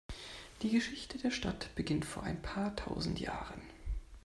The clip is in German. Die Geschichte der Stadt beginnt vor ein paar tausend Jahren.